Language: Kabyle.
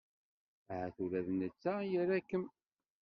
Ahat ula d netta ira-kem.